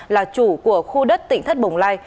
là chủ của khu đất tỉnh thất bồng lai